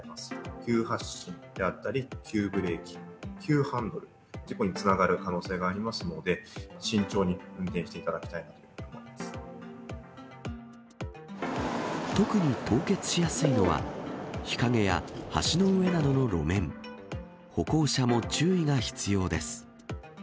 急発進であったり急ブレーキ、急ハンドル、事故につながる可能性がありますので、慎重に運転していただきたいなというふうに思特に凍結しやすいのは、日陰や橋の上などの路面、歩行者も注意が必要です。